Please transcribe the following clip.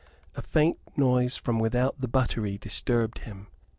A faint noise from without the buttery disturbed him.